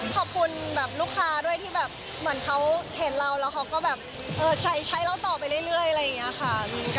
ขอบคุณแบบลูกค้าด้วยที่แบบเหมือนเขาเห็นเราแล้วเขาก็แบบใช้เราต่อไปเรื่อยอะไรอย่างนี้ค่ะ